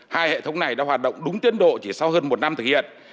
hai hệ thống này đã hoạt động đúng tiến độ chỉ sau hơn một năm thực hiện